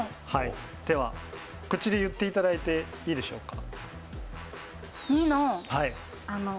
では、口で言っていただいていいでしょうか。